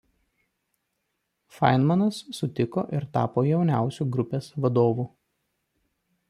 Fainmanas sutiko ir tapo jauniausiu grupės vadovu.